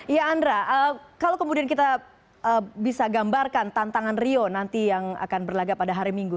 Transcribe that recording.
ya andra kalau kemudian kita bisa gambarkan tantangan rio nanti yang akan berlagak pada hari minggu